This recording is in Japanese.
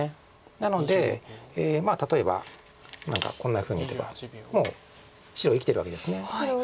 なので例えば何かこんなふうに打てばもう白生きてるわけです。